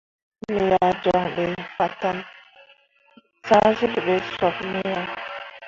Me ah joŋ ɓe fatan zahzyilli ɓe sop me ah.